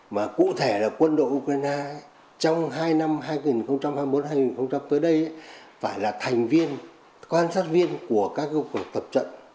mà cụ thể là quân đội ukraine trong hai năm hai nghìn hai mươi một hai nghìn tới đây phải là thành viên quan sát viên của các cuộc tập trận